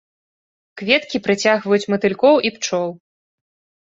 Кветкі прыцягваюць матылькоў і пчол.